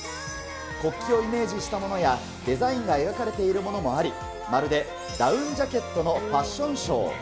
国旗をイメージしたものや、デザインが描かれているものもあり、まるでダウンジャケットのファッションショー。